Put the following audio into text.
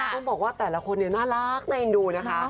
คุณบอกว่าแต่ละคนน่ารักในดูนะคะ